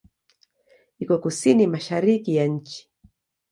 Iko kusini-mashariki ya nchi.